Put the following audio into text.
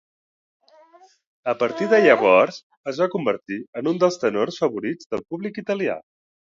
A partir de llavors es va convertir en un els tenors favorits del públic italià.